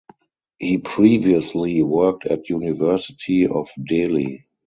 He previously worked at University of Delhi.